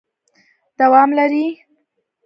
دوام لري ...